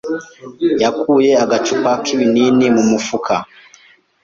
yakuye agacupa k'ibinini mu mufuka.